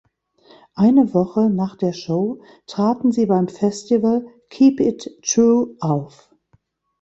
Eine Woche nach der Show traten sie beim Festival "Keep It True" auf.